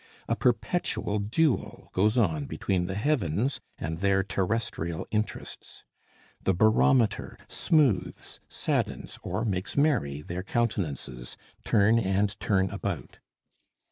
A perpetual duel goes on between the heavens and their terrestrial interests. The barometer smooths, saddens, or makes merry their countenances, turn and turn about.